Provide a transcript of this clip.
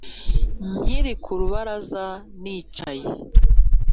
nkiri ku rubaraza nicaye;